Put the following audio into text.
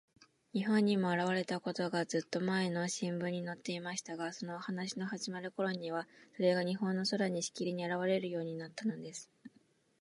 日本にもあらわれたことが、ずっとまえの新聞にのっていましたが、そのお話のはじまるころには、それが日本の空に、しきりにあらわれるようになったのです。